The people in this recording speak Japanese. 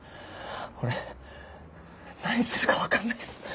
俺何するかわかんないです。